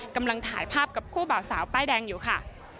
กำลังถ่ายภาพกับคู่บ่าวสาวป้ายแดงอยู่ค่ะ